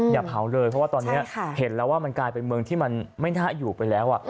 อย่าเผาเลยเพราะว่าตอนนี้เห็นแล้วว่ามันกลายเป็นเมืองที่มันไม่น่าอยู่ไปแล้ว